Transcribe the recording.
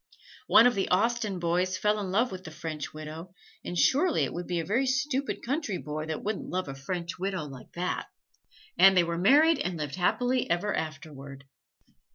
One of the Austen boys fell in love with the French widow; and surely it would be a very stupid country boy that wouldn't love a French widow like that! And they were married and lived happily ever afterward.